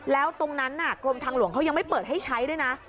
แล้วตรงนั้นกรมทางหลวงเขายังไม่เปิดให้ใช้ด้วยนะ